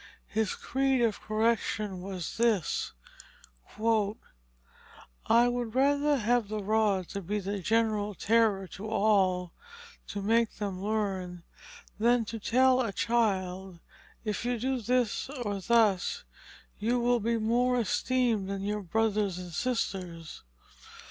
His creed of correction was this: "I would rather have the rod to be the general terror to all, to make them learn, than to tell a child, if you do this, or thus, you will be more esteemed than your brothers and sisters.